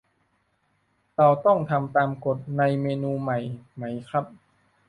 เราต้องทำตามกฎในเมนูใหม่ไหมครับ